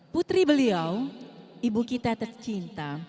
putri beliau ibu kita tercinta